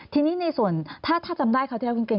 ทีนี้ในส่วนถ้าจำได้คราวที่เราคิดเก่ง